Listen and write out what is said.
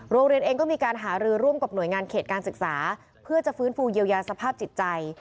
โรงเรียนเองก็มีการหารือร่วมกับหน่วยงานเขตการศึกษาเพื่อจะฟื้นฟูเยียวยาสภาพจิตใจ